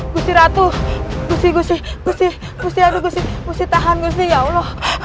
gusi ratu gusi gusi gusi gusi aduh gusi gusi tahan gusi ya allah